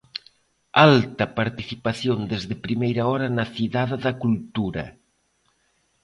Alta participación desde primeira hora na Cidade da Cultura.